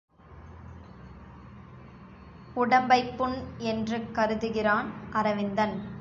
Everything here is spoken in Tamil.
உடம்பைப் புண் என்று கருதுகிறான் அரவிந்தன்.